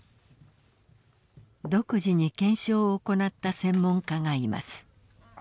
独自に検証を行った専門家がいます。